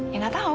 ya gak tahu